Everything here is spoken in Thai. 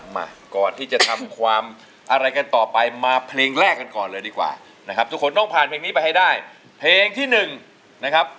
มาก่อนที่จะทำความอะไรกันต่อไปมาเพลงแรกกันก่อนเลยดีกว่านะครับทุกคนต้องผ่านเพลงนี้ไปให้ได้เพลงที่หนึ่งนะครับ